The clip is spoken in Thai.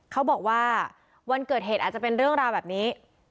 เขาบอกว่าวันเกิดเหตุอาจจะเป็นเรื่องราวแบบนี้